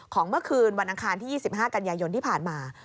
เมื่อคืนวันอังคารที่๒๕กันยายนที่ผ่านมา